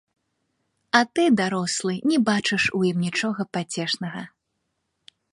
А ты, дарослы, не бачыш у ім нічога пацешнага.